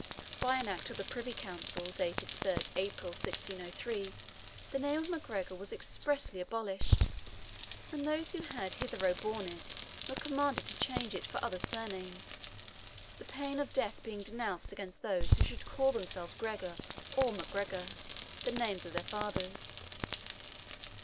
By an Act of the Privy Council, dated 3d April 1603, the name of MacGregor was expressly abolished, and those who had hitherto borne it were commanded to change it for other surnames, the pain of death being denounced against those who should call themselves Gregor or MacGregor, the names of their fathers.